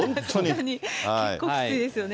結構きついですよね。